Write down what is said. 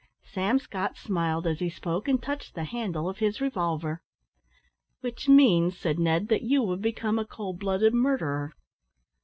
Sam Scott smiled as he spoke, and touched the handle of his revolver. "Which means," said Ned, "that you would become a cold blooded murderer."